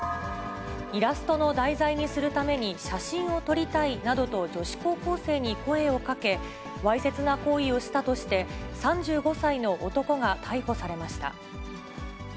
イラストの題材にするために写真を撮りたいなどと女子高校生に声をかけ、わいせつな行為をしたとして、３５歳の男が逮捕されました。